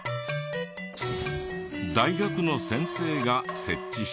大学の先生が設置したもので。